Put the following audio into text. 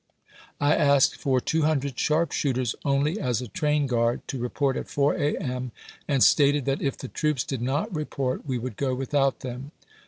I asked for two hundred sharpshooters only as a train guard, to report at 4 a. m., and stated that if the troops did not report we would go without them.